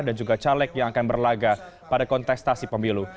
dan juga caleg yang akan berlaga pada kontestasi pemilu